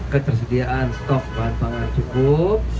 ketersediaan stok bahan pangan cukup